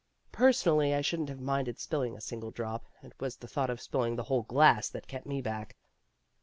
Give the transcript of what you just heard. Personally I shouldn't have minded spilling a single drop; it was the thought of spilling the whole glass that kept me back.